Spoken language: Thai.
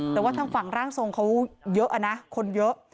แต่ว่าทั้งฝั่งทรงเหมือนกันเยอะล่ะนะคนเยอะ